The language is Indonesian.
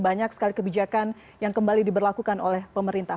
banyak sekali kebijakan yang kembali diberlakukan oleh pemerintah